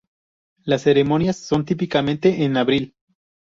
Las ceremonias son típicamente en abril.